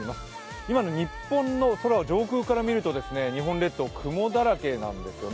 今の日本の空を上空から見ると日本列島、雲だらけなんですよね。